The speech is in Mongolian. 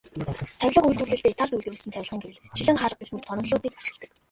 Тавилга үйлдвэрлэлдээ Италид үйлдвэрлэсэн тавилгын гэрэл, шилэн хаалга гэх мэт тоноглолуудыг ашигладаг.